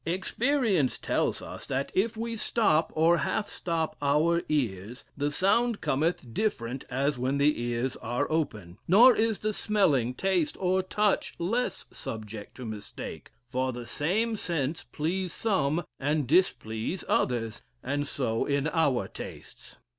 Experience tells us that if we stop, or half stop, our ears, the sound cometh different as when the ears are open. Nor is the smelling, taste, or touch less subject to mistake; for the same scents please some, and displease others, and so in our tastes.